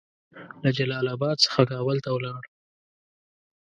له جلال اباد څخه کابل ته ولاړ.